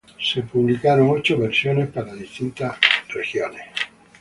Se publicaron ocho versiones para distintas regiones.